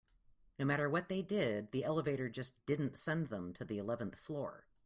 No matter what they did, the elevator just didn't send them to the eleventh floor.